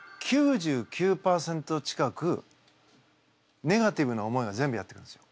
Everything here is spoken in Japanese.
９９％ちかくネガティブな思いが全部やって来るんですよ。